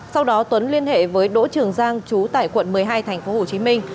sau đó tuấn liên hệ với đỗ trường giang trú tại quận một mươi hai thành phố hồ chí minh